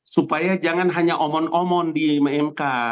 supaya jangan hanya omon omon di mk